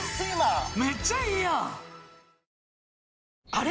あれ？